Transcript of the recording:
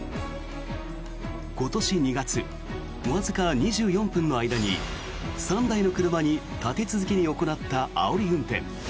今年２月、わずか２４分の間に３台の車に立て続けに行ったあおり運転。